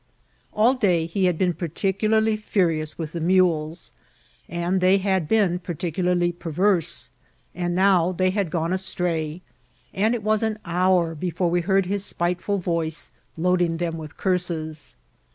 All day he had been particularly furious with the mules, and they had been particularly perverse, and now they had gone astray ; and it was an hour before we heard his spiteful voice, loading them with curses.